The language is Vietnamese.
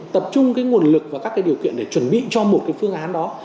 tập trung cái nguồn lực và các cái điều kiện để chuẩn bị cho một cái phương án đó